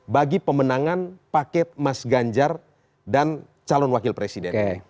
bagi pemenangan paket mas ganjar dan calon wakil presiden